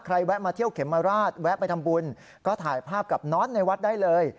แวะมาเที่ยวเขมราชแวะไปทำบุญก็ถ่ายภาพกับน็อตในวัดได้เลย